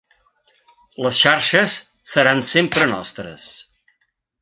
Les xarxes seran sempre nostres!